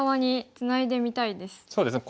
そうですね